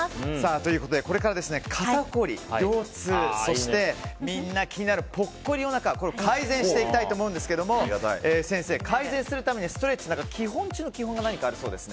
これから肩凝り、腰痛そしてみんな気になるぽっこりおなか改善していきたいと思うんですが先生、改善するためにはストレッチの基本中の基本があるそうですね。